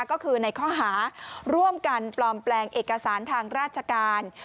ก็คือในข้อหาร่วมกันปลอมแปลงเอกสารทางราชการ